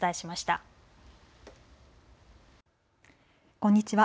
こんにちは。